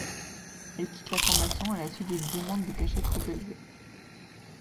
Elle quitte la formation à la suite d'une demande de cachet trop élevée.